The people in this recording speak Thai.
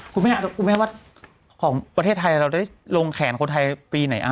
คุณแม่คุณแม่ว่าของประเทศไทยเราได้ลงแขนคนไทยปีไหน